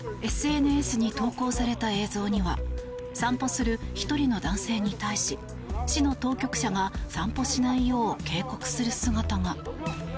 ＳＮＳに投稿された映像には散歩する１人の男性に対し市の当局者が散歩しないよう警告する姿が。